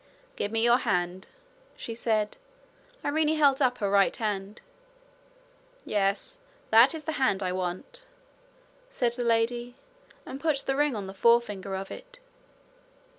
'Give me your hand,' she said. Irene held up her right hand. 'Yes, that is the hand I want,' said the lady, and put the ring on the forefinger of it.